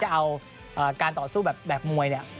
จะเอาการต่อสู้แบบมวยเนี่ย